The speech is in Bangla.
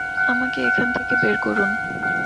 আমাকে এখান থেকে বের করুন।